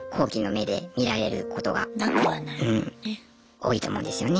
多いと思うんですよね。